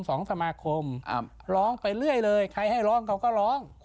สมาคมร้องไปเรื่อยเลยใครให้ร้องเขาก็ร้อง